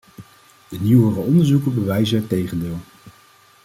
De nieuwere onderzoeken bewijzen het tegendeel.